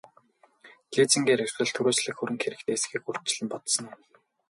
Лизингээр эсвэл түрээслэх хөрөнгө хэрэгтэй эсэхийг урьдчилан бодсон уу?